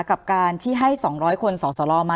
กับการที่ให้๒๐๐คนสอสลมา